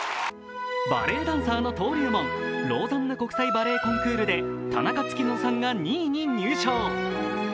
バレエダンサーの登竜門、ローザンヌ国際バレエコンクールで田中月乃さんが２位に入賞。